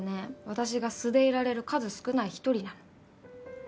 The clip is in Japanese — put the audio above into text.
私が素でいられる数少ない一人なの。